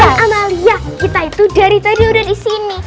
ya amalia kita itu dari tadi udah di sini